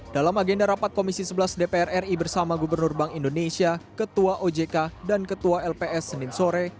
dalam agenda rapat komisi sebelas dpr ri bersama gubernur bank indonesia ketua ojk dan ketua lps senin sore